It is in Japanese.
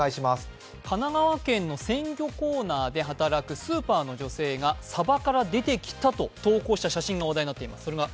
神奈川県の鮮魚コーナーで働くスーパーの女性がサバから出てきたと投稿した写真が話題になっています。